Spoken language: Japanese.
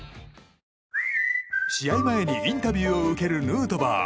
試合前にインタビューを受けるヌートバー。